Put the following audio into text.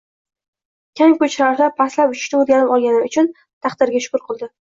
kam kuch sarflab pastlab uchishni o‘rganib olgani uchun taqdiriga shukr qildi.